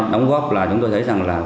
đóng góp là chúng tôi thấy rằng